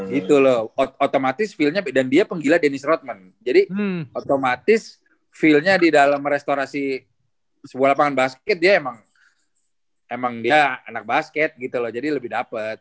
gitu loh otomatis feelnya dan dia penggila dennis rodman jadi otomatis feelnya di dalam restorasi sebuah lapangan basket dia emang emang dia anak basket gitu loh jadi lebih dapet